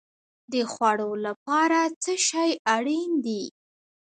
د خوړو لپاره څه شی اړین دی؟